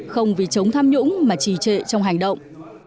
không vì chống tham nhũng mà trì trệ trong hành động